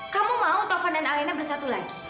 kamu mau tovan dan alena bersatu lagi